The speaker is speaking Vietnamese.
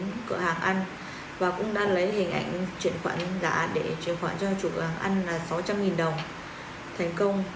tôi đã đến cửa hàng ăn và cũng đã lấy hình ảnh chuyển khoản giả để chuyển khoản cho chủ hàng ăn là sáu trăm linh đồng thành công